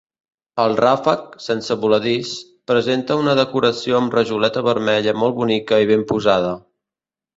El ràfec, sense voladís, presenta una decoració amb rajoleta vermella molt bonica i ben posada.